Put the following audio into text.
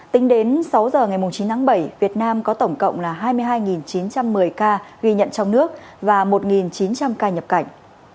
tính đến sáu giờ ngày chín tháng bảy việt nam có tổng cộng là hai mươi hai chín trăm một mươi ca ghi nhận trong nước và một chín trăm linh ca nhập cảnh